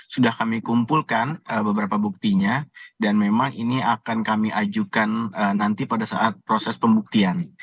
sudah kami kumpulkan beberapa buktinya dan memang ini akan kami ajukan nanti pada saat proses pembuktian